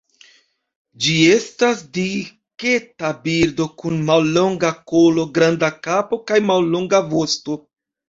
Ĝi estas diketa birdo, kun mallonga kolo, granda kapo kaj mallonga vosto.